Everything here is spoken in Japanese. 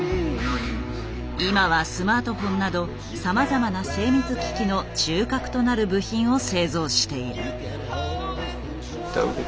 今はスマートフォンなどさまざまな精密機器の中核となる部品を製造している。